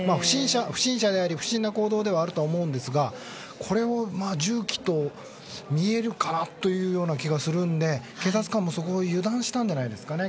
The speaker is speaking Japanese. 不審者であり不審な行動ではあると思うんですがこれを銃器に見えるかなという気もするので、警察官も油断したんじゃないですかね。